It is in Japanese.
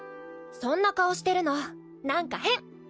そんな顔してるのなんか変。